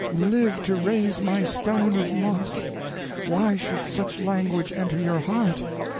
live to raise my stone of moss! why should such language enter your heart?